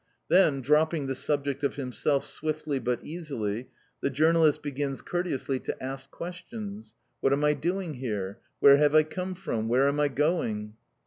Then, dropping the subject of himself swiftly, but easily, the journalist begins courteously to ask questions; what am I doing here? where have I come from? where am I going?